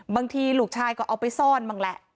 บางทีลูกชายก็เอาไปซ่อนบ้างแหละ